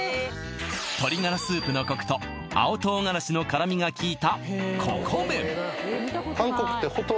鶏ガラスープのコクと青唐辛子の辛みがきいた